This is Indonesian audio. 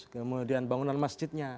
kemudian bangunan masjidnya